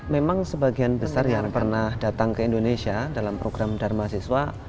memang sebagian besar yang pernah datang ke indonesia dalam program dharma siswa